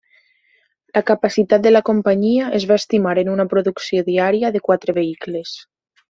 La capacitat de la companyia es va estimar en una producció diària de quatre vehicles.